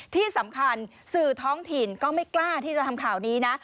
ที่สำคัญสื่อท้องถิ่นก็ไม่กล้าที่จะทำข่าวนี้นะ